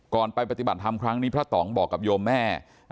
ไปปฏิบัติธรรมครั้งนี้พระต่องบอกกับโยมแม่